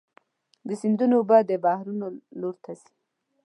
د سیندونو اوبه د بحرونو لور ته ځي.